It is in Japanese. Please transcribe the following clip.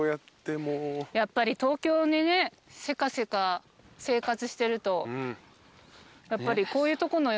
やっぱり東京でねせかせか生活してると。